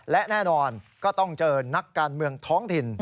และแน่นอนก็ต้องเจอนักการเมืองท้องถิ่น